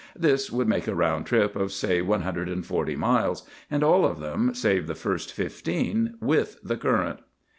This would make a round trip of, say one hundred and forty miles; and all of them, save the first fifteen, with the current.